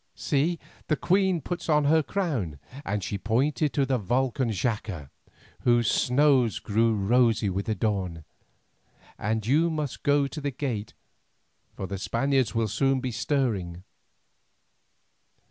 See, the Queen puts on her crown," and she pointed to the volcan Xaca, whose snows grew rosy with the dawn, "and you must go to the gate, for the Spaniards will soon be stirring."